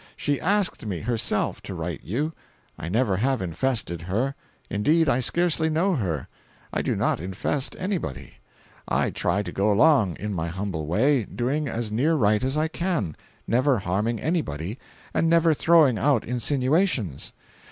She asked me, herself, to write you. I never have infested her—indeed I scarcely know her. I do not infest anybody. I try to go along, in my humble way, doing as near right as I can, never harming anybody, and never throwing out insinuations.